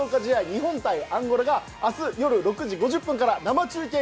日本対アンゴラが明日よる６時５０分から生中継致します。